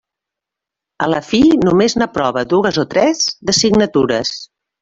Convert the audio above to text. A la fi només n'aprove dues o tres, d'assignatures.